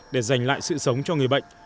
để giành lại sự sống cho người bệnh